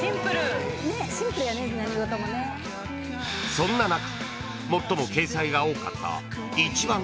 ［そんな中最も掲載が多かった］